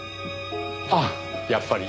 あっやっぱり。